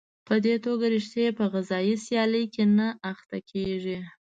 په دې توګه ریښې په غذایي سیالۍ کې نه اخته کېږي.